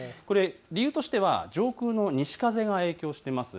理由としては上空の西風が影響しています。